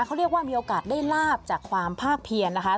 เขาเรียกว่ามีโอกาสได้ลาบจากความภาคเพียรนะคะ